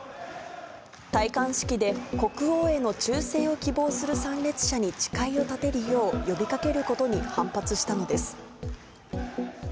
戴冠式で国王への忠誠を希望する参列者に誓いを立てるよう呼びかけることに反発したのです。